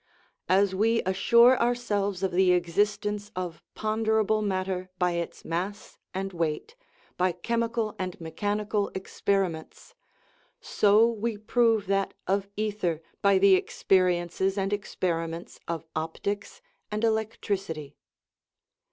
As we assure ourselves of the existence of ponderable mat ter by its mass and weight, by chemical and mechani cal experiments, so we prove that of ether by the expe riences and experiments of optics and electricity.